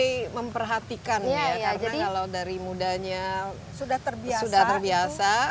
mulai memperhatikannya ya karena kalau dari mudanya sudah terbiasa